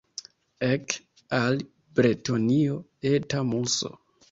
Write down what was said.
Ek al Bretonio, Eta Muso!